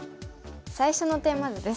最初のテーマ図です。